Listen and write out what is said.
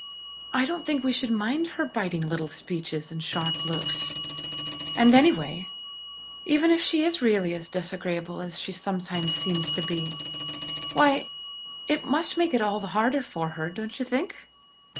I don't think we should mind her biting little speeches and sharp looks. And anyway, even if she is really as disagreeable as she sometimes seems to be, why, it must make it all the harder for her, don't you think?